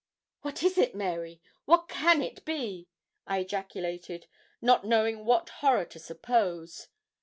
'What is it, Mary? what can it be?' I ejaculated, not knowing what horror to suppose.